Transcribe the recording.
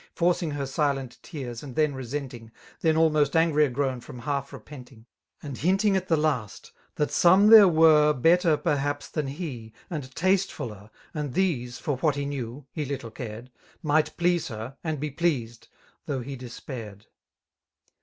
Forcing her silent tears^ and then resenting, '' i Then almost angrier grown itom half repentingy^^ And hinting at the last^ that some there were ; r Better pertiaps than hley. and tastefulter^ And these, for what he knew,— he litde cared,— Might please her, and be pleased, though he det^red.